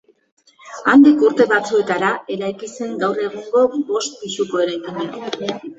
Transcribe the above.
Handik urte batzuetara eraiki zen gaur egungo bost pisuko eraikina.